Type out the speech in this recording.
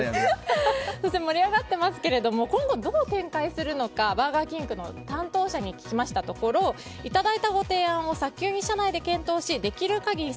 今後、どう展開するのかバーガーキングの担当者に聞きましたところいただいたご提案を早急に社内で検討しできる限り